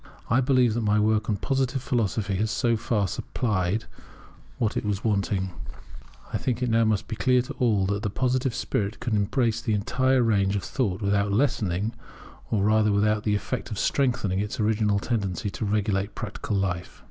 I believe that my work on Positive Philosophy has so far supplied what was wanting. I think it must now be clear to all that the Positive spirit can embrace the entire range of thought without lessening, or rather with the effect of strengthening its original tendency to regulate practical life.